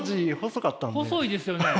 細いですよね？